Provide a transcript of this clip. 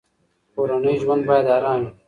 کورنی ژوند باید ارام وي.